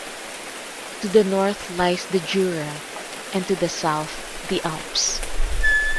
To the north lies the Jura and to the south the Alps.